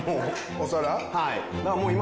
お皿？